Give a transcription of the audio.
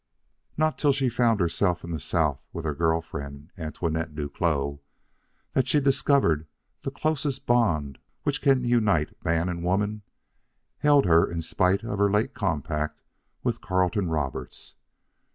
Not till she found herself in the South with her girl friend, Antoinette Duclos, did she discover that the closest bond which can unite man and woman held her in spite of her late compact with Carleton Roberts.